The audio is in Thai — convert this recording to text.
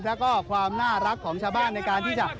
แล้วก็ความน่ารักของชาวบ้านในการที่จะ